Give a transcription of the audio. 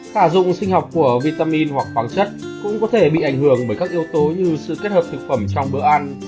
thả dụng sinh học của vitamin hoặc khoáng chất cũng có thể bị ảnh hưởng bởi các yếu tố như sự kết hợp thực phẩm trong bữa ăn